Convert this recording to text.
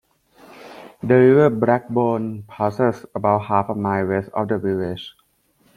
The River Blackbourne passes about half a mile west of the village.